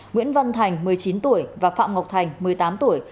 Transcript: nguyễn văn thành một mươi chín tuổi và phạm ngọc thành một mươi tám tuổi